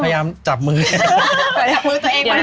พยายามจับมือแต่จับมือตัวเองไป